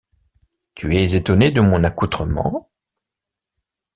Tu es étonné de mon accoutrement?...